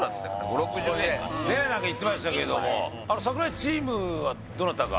５０６０円かなねえ何か言ってましたけども櫻井チームはどなたが？